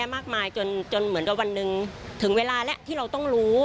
เยอะมากมายจนจนเหมือนวันนึงถึงเวลาแล้วที่เราต้องรู้